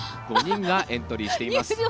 ５人がエントリーしています。